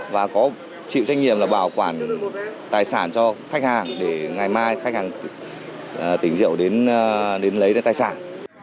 và có chịu trách nhiệm là bảo quản tài sản cho khách hàng để ngày mai khách hàng tỉnh rượu đến lấy tài sản